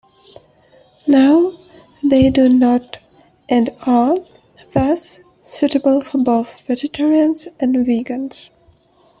Now they do not and are thus suitable for both vegetarians and vegans.